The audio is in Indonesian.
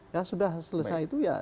ya sudah selesai itu ya